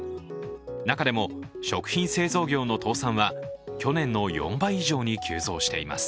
中でも食品製造業の倒産は去年の４倍以上に急増しています。